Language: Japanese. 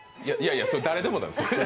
それ誰でもなんですよ